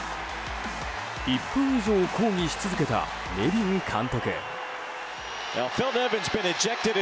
１分以上抗議し続けたネビン監督。